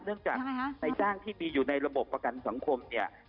เนื่องจากในจ้างที่มีอยู่ในระบบประกันสังคมเนี่ย